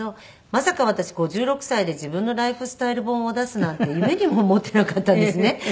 まさか私５６歳で自分のライフスタイル本を出すなんて夢にも思っていなかったんですね。